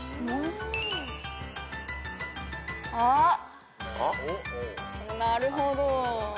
あっなるほど。